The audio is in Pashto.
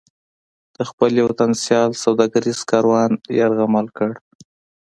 د خپل یو تن سیال سوداګریز کاروان یرغمل کړ.